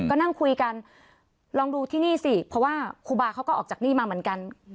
ก็นั่งคุยกันลองดูที่นี่สิเพราะว่าครูบาเขาก็ออกจากนี่มาเหมือนกัน